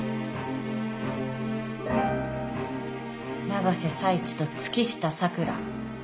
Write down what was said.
永瀬財地と月下咲良。